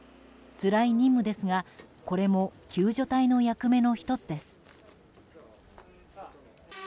つらい任務ですがこれも救助隊の役目の１つです。